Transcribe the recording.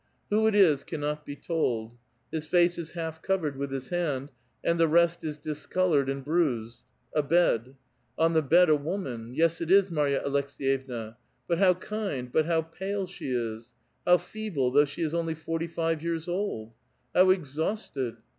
Who it is cannot be told ; his face is half covered with his hand, and the rest is discolored and bruised. A bed. On the bed a woman ; yes, it is Marya Aleks^yevna ; but how kind, but how pale she is ! how feeble, though she is only forty five years old I how exhausted